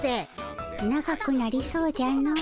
長くなりそうじゃの。